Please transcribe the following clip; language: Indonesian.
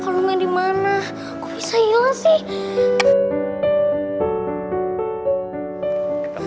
kalau mau dimana bisa ilah sih